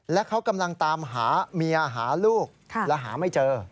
และเขากำลังตามหาเมียหาลูกแล้วหาไม่เจอ